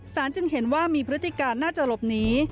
จึงเห็นว่ามีพฤติการน่าจะหลบหนี